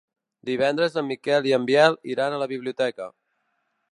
Divendres en Miquel i en Biel iran a la biblioteca.